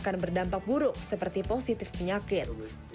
dan juga berdampak buruk seperti positif penyakit